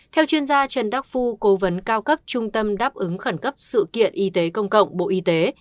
theo chuyên gia trần đắc phu cố vấn cao cấp trung tâm đáp ứng khẩn cấp sự kiện y tế công cộng bộ y tế